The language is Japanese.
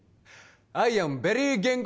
アイアムベリー言語